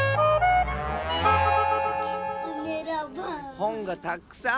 ほんがたくさん！